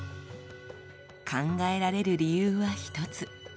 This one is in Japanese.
考えられる理由は一つ。